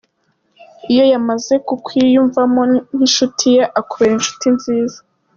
Iyo yamaze kukwiyumvamo nk’inshuti ye akubera inshuti nziza.